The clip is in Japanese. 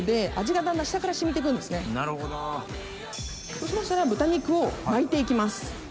そうしましたら豚肉を巻いて行きます。